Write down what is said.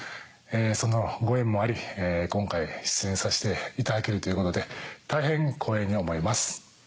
そのご縁もあり今回出演させていただけるということで大変光栄に思います。